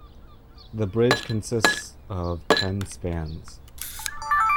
The bridge consists of ten spans.